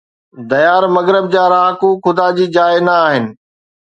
ديار مغرب جا رهاڪو خدا جي جاءِ نه آهن